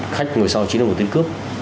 khách ngồi sau chính là một tên cướp